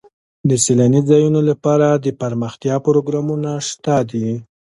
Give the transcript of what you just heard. د سیلاني ځایونو لپاره دپرمختیا پروګرامونه شته دي.